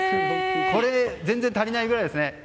これで全然足りないぐらいですね。